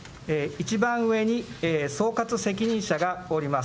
一番上に総括責任者がおります。